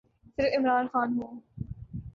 صرف عمران خان ہوں۔